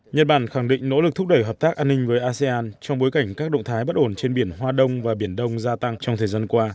nhật bản khẳng định nỗ lực thúc đẩy hợp tác an ninh với asean trong bối cảnh các động thái bất ổn trên biển hoa đông và biển đông gia tăng trong thời gian qua